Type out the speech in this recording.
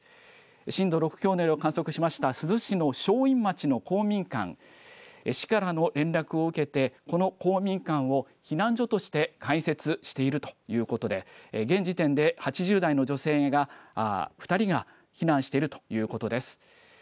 震度６強の揺れを観測しました珠洲市の正院町の公民館、市からの連絡を受けてこの公民館を避難所として開設しているということで現時点で８０代の女性２人が避難しているということです。